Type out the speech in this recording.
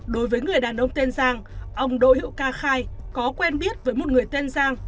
đối với người đàn ông tên giang ông đỗ hữu ca khai có quen biết với một người tên giang